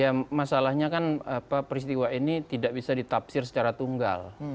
ya masalahnya kan peristiwa ini tidak bisa ditafsir secara tunggal